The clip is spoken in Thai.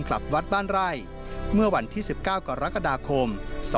กลับวัดบ้านไร่เมื่อวันที่๑๙กรกฎาคม๒๕๖